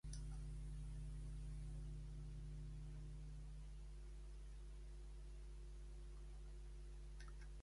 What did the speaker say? Fue una ruptura total con lo que hasta entonces venía produciendo Bob Marley.